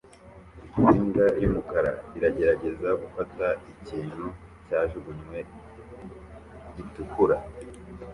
Imbwa y'umukara iragerageza gufata ikintu cyajugunywe gitukura